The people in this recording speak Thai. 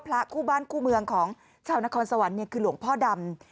พระคู่บ้านคู่เมืองของชาวนครสวรรค์คือหลวงพ่อดำ